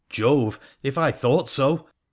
' Jove ! If I thought so !